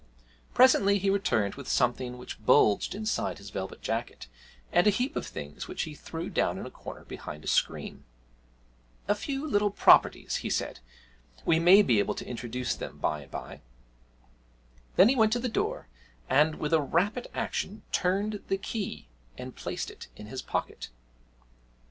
Presently he returned with something which bulged inside his velvet jacket, and a heap of things which he threw down in a corner behind a screen. 'A few little properties,' he said; 'we may be able to introduce them by and by.' Then he went to the door and, with a rapid action, turned the key and placed it in his pocket.